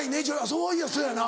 そういやそうやな。